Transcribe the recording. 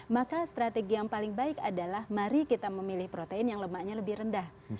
maka strategi yang paling baik adalah mari kita memilih protein yang lemaknya lebih rendah